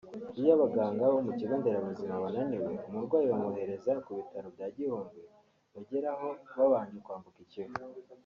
Iyo abaganga bo mu kigo nderabuzima bananiwe umurwayi bamwohereza ku bitaro bya Gihundwe bageraho babanje kwambuka i Kivu